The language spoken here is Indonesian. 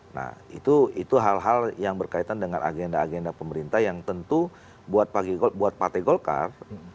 nah itu hal hal yang berkaitan dengan agenda agenda pemerintah yang tentu buat partai golkar